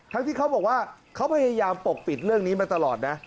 ที่เขาบอกว่าเขาพยายามปกปิดเรื่องนี้มาตลอดนะ